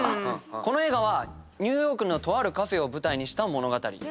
この映画はニューヨークのとあるカフェを舞台にした物語。